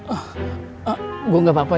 ah ah gue gak apa apa ya